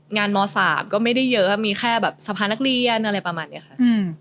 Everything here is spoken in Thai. ม๓ก็ไม่ได้เยอะมีแค่แบบสะพานนักเรียนอะไรประมาณนี้ค่ะ